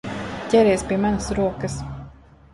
Ķeries pie manas rokas!